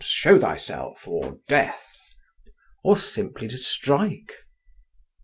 show thyself—or death!" or simply to strike….